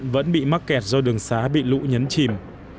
vẫn bị mắc kẹt do đường xá bị lũ nhấn chìm